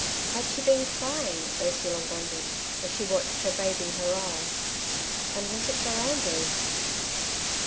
Had she been crying? Ursula wondered, as she watched her bathing her eyes; and was it for Andrew?